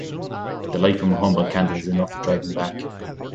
The light from a humble candle is enough to drive him back.